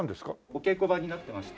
お稽古場になってまして。